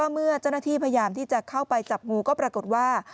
เมื่อเจ้าหน้าที่พยายามที่จะเข้าไปจับงูก็ปรากฏว่า